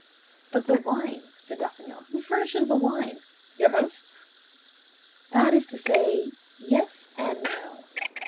"But the wine," said D'Artagnan, "who furnishes the wine? Your host?" "That is to say, yes and no."